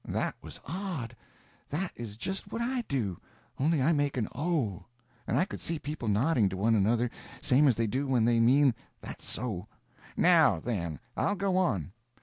That was odd. That is just what I do; only I make an O. And I could see people nodding to one another, same as they do when they mean "that' so." "Now, then, I'll go on.